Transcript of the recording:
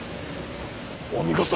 お見事。